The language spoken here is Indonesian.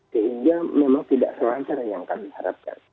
sehingga memang tidak selancar yang kami harapkan